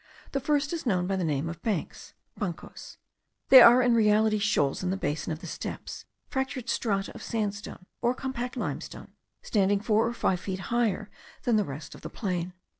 The first is known by the name of banks (bancos); they are in reality shoals in the basin of the steppes, fractured strata of sandstone, or compact limestone, standing four or five feet higher than the rest of the plain.